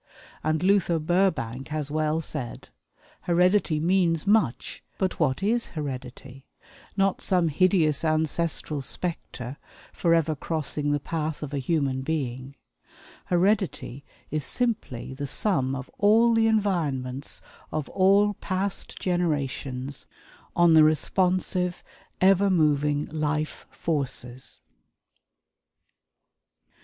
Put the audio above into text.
And Luther Burbank has well said: "Heredity means much; but what is heredity? Not some hideous ancestral spectre, forever crossing the path of a human being. Heredity is simply the sum of all the environments of all past generations on the responsive ever moving life forces."